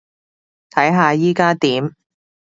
睇下依加點